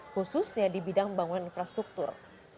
khususnya di bidang pembangunan infrastruktur